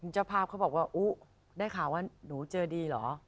เจ้าภาพเขาบอกว่าอุ๊ได้ข่าวว่าหนูเจอดีเหรอ